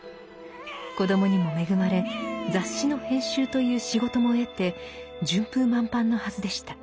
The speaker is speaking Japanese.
子どもにも恵まれ雑誌の編集という仕事も得て順風満帆のはずでした。